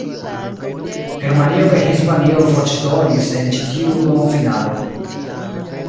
Germanio kaj Hispanio voĉdonis en ĉi tiu duonfinalo.